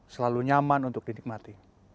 selalu nyaman untuk dinikmati